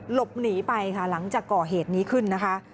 หลบหนีไปค่ะหลังจากก่อเหตุนี้ขึ้นนะคะ